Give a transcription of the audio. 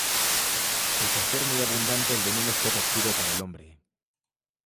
Pese a ser muy abundante, el veneno es poco activo para el hombre.